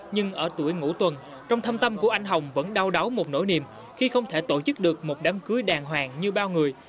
nhưng ở tuổi ngũ tuần trong thâm tâm của anh hồng vẫn đau đáu một nỗi niềm khi không thể tổ chức được một đám cưới đàng hoàng như bao người